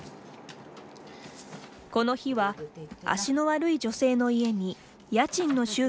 この日は、足の悪い女性の家に家賃の集金に来ました。